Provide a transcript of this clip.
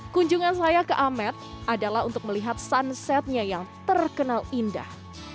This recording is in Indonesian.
kunjungan saya ke amed adalah untuk melihat sunsetnya yang terkenal indah